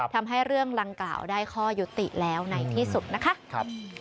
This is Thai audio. ทำให้เรื่องลังกล่าวได้ข้อยุติแล้วในที่สุดนะคะ